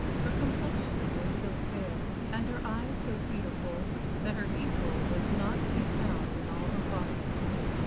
Her complexion was so fair, and her eyes so beautiful, that her equal was not to be found in all the Fatherland.